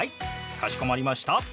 かしこまりました。